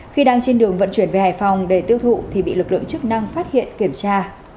khi đang trên đường vận chuyển về hải phòng để tiêu thụ thì bị lực lượng chức năng phát hiện kiểm tra